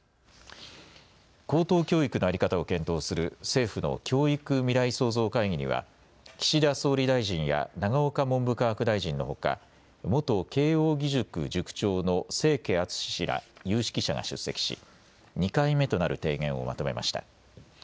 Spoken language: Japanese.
高等教育の在り方を検討する政府の教育未来創造会議には岸田総理大臣や永岡文部科学大臣のほか、元慶應義塾塾長の清家篤氏ら有識者が出席し２回目となる提言をまとめました。